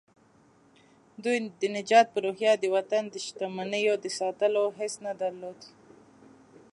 دوی د نجات په روحيه د وطن د شتمنيو د ساتلو حس نه درلود.